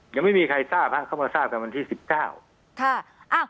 ยังไม่มีใครทราบฮะเขามาทราบกันวันที่สิบเก้า